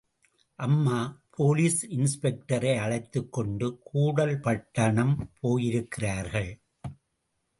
அம்மா போலீஸ் இன்ஸ்பெக்டரை அழைத்துக்கொண்டு கூடல் பட்டணம் போயிருக்கிறார்கள்.